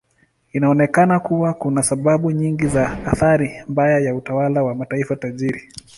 Inaonekana kuwa kuna sababu nyingi za athari mbaya ya utawala wa mataifa tajiri.